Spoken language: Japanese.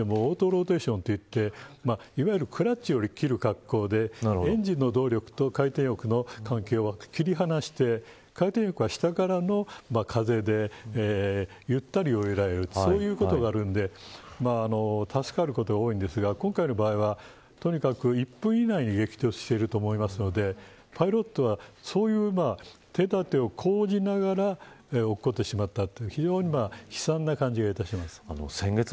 普通はエンジンがストップしてもオートローテーションといっていわゆるクラッチを切る格好でエンジンの動力と回転翼の関係は切り離して回転翼は下からの風でゆったり上に上がれるということがあるので助かることが多いですが今回の場合はとにかく１分以内に激突していると思うのでパイロットはそういう手だてを講じながら落っこってしまったという非常に悲惨な感じがします。